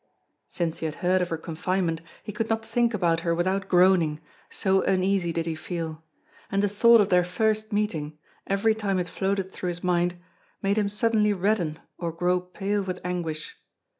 Since he had heard of her confinement, he could not think about her without groaning, so uneasy did he feel; and the thought of their first meeting, every time it floated through his mind, made him suddenly redden or grow pale with anguish.